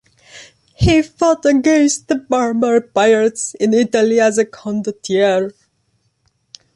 He fought against the Barbary pirates in Italy as a Condottiere.